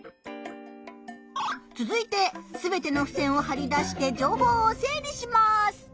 つづいて全てのふせんをはり出して情報を整理します。